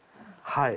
はい。